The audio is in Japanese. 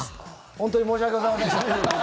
本当に申し訳ございませんでした。